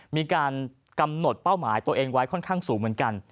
มีการกำหนดเป้าหมายตัวเองไว้ค่อนข้างสูงเหมือนกัน